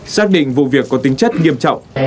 xác định vụ việc có tính chất nghiêm trọng